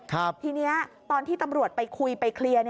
ทีนี้ตอนที่ตำรวจไปคุยไปเคลียร์